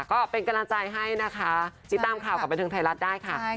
ก็เป็นกำลังใจให้นะคะติดตามข่าวกับบันเทิงไทยรัฐได้ค่ะ